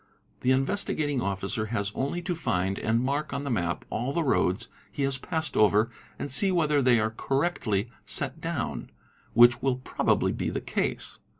The Investigating Officer has only to find and mark on the map all the roads he has passed over and e whether they are correctly set down, which will probably be the case.